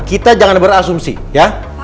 kita jangan berasumsi ya